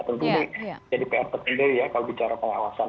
tentu jadi pr terkendali ya kalau bicara pengawasan